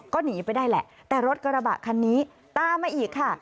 ก็หนีไปได้แหละแต่รถกระบะคันนี้ตามมาอีกค่ะ